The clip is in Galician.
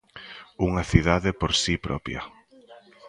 Unha cidade por si propia.